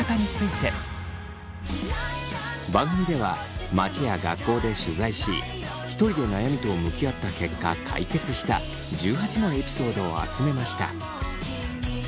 番組では街や学校で取材しひとりで悩みと向き合った結果解決した１８のエピソードを集めました。